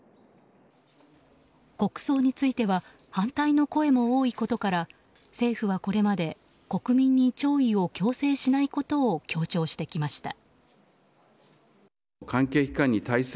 国葬については反対の声も多いことから政府はこれまで国民に弔意を強制しないことを強調してきました。